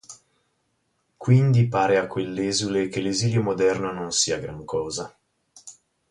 Quindi pare a quell'esule che l'esilio moderno non sia gran cosa.